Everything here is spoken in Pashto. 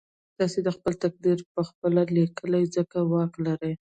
تاسې خپل تقدير پخپله ليکئ ځکه واک لرئ.